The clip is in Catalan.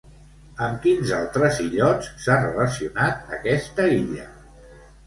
Amb quins altres illots s'ha relacionat aquesta illa?